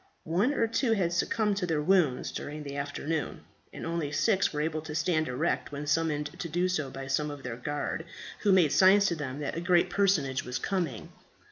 One or two had succumbed to their wounds during the afternoon, and only six were able to stand erect when summoned to do so by some of their guard, who made signs to them that a great personage was coming.